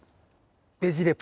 「ベジ・レポ」。